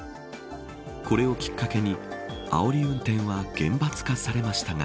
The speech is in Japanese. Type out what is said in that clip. これをきっかけにあおり運転は厳罰化されましたが。